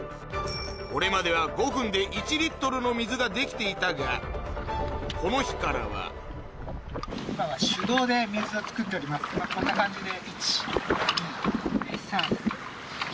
これまでは５分で１の水ができていたがこの日からはこんな感じで。